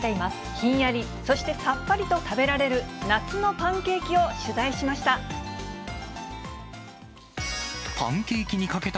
ひんやり、そしてさっぱりと食べられる夏のパンケーキを取材しました。